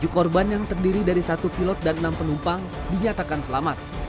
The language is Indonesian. tujuh korban yang terdiri dari satu pilot dan enam penumpang dinyatakan selamat